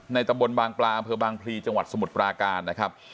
ตำบลบางปลาอำเภอบางพลีจังหวัดสมุทรปราการนะครับ